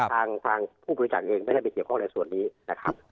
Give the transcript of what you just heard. ทางผู้บริจาคเองไม่ได้ไปเกี่ยวข้องในส่วนนี้นะครับ